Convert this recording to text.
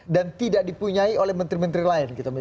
dan tidak dipunyai oleh menteri menteri lain